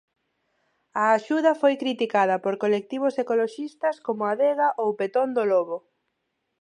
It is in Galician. A axuda foi criticada por colectivos ecoloxistas como Adega ou Petón do Lobo.